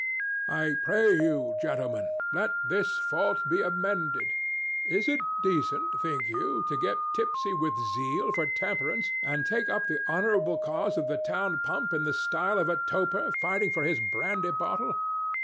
—I pray you, gentlemen, let this fault be amended. Is it decent, think you, to get tipsy with zeal for temperance and take up the honorable cause of the town pump in the style of a toper fighting for his brandy bottle?